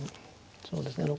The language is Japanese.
そうですね。